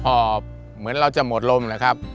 พอเหมือนเราจะหมดลมนะครับ